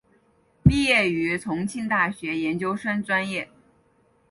毕业于重庆大学研究生专业。